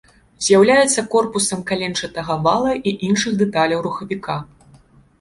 З'яўляецца корпусам каленчатага вала і іншых дэталяў рухавіка.